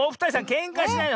けんかしないで。